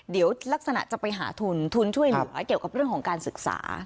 เดี๋ยวลักษณะจะไปหาทุนทุนช่วยเหลือเกี่ยวกับเรื่องของการศึกษา